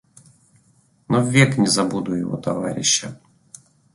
Но ввек не забуду его товарища.